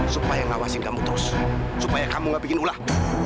supaya ngawasin kamu terus supaya kamu gak bikin ulah